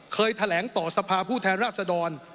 เคยแถลงต่อสภาผู้แทนราชดร